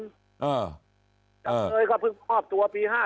จำเลยก็เพิ่งมอบตัวปี๕๗